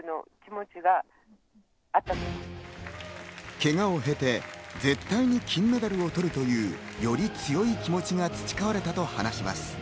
けがを経て絶対に金メダルを取るというより強い気持ちが培われたと話します。